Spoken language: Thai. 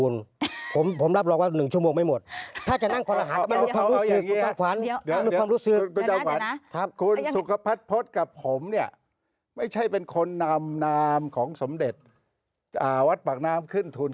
สมเด็จเข้าไปถึกลองพูด